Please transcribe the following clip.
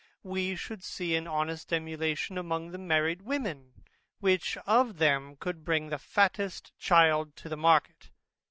We should soon see an honest emulation among the married women, which of them could bring the fattest child to the market.